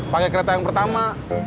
pake kereta yang pertama